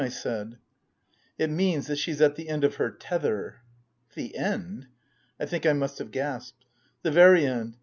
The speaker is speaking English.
I said. " It means that she's at the end of her tether." " The end ?" I think I must have gasped. " The very end.